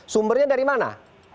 sumbernya dari mana